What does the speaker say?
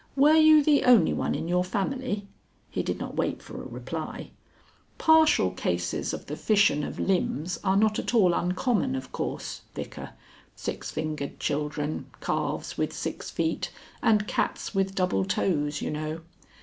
Were you the only one in your family?" He did not wait for a reply. "Partial cases of the fission of limbs are not at all uncommon, of course, Vicar six fingered children, calves with six feet, and cats with double toes, you know.